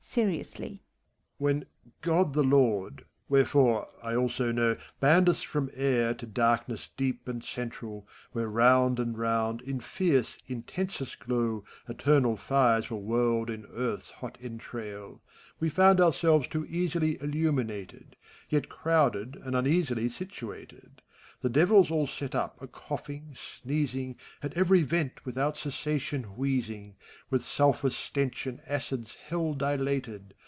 MEPHISTOPHELES {seHoUSly). When Qod the Lord — ^wherefore, I also know, — Banned us from air to darkness deep and central, Where round and round, in fierce, intensest glow, Eternal fires were whirled in Earth's hot entrail. We found ourselves too much illuminated. Yet crowded and uneasily situated. The Devils all set up a coughing, sneezing, At every vent without cessation wheezing: With sulphur stench and acids Hell dilated.